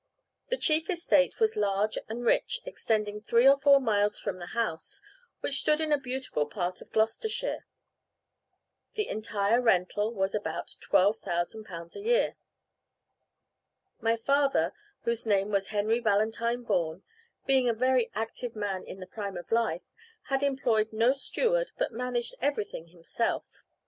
The chief estate was large and rich, extending three or four miles from the house, which stood in a beautiful part of Gloucestershire. The entire rental was about 12,000*l.* a year. My father (whose name was Henry Valentine Vaughan), being a very active man in the prime of life, had employed no steward, but managed everything himself.